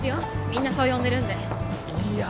みんなそう呼んでるんでいや